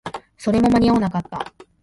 それも間に合わなかった